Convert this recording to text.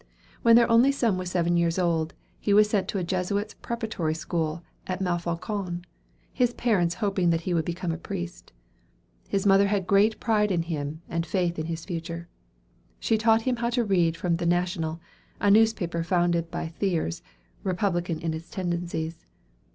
When their only son was seven years old, he was sent to a Jesuits' preparatory school at Monfaucon, his parents hoping that he would become a priest. His mother had great pride in him, and faith in his future. She taught him how to read from the "National," a newspaper founded by Thiers, republican in its tendencies.